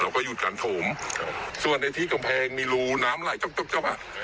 เราก็หยุดการถมส่วนในที่กำแพงมีรูน้ำไหล่จ๊อบจ๊อบจ๊อบอ่ะ